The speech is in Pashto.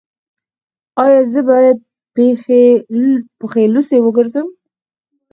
ایا زه باید پښې لوڅې وګرځم؟